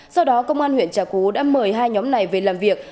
sau đó công an huyện trà cú đã mời hai nhóm này về làm việc